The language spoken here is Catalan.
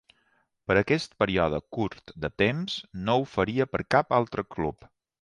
Per aquest període curt de temps no ho faria per cap altre club.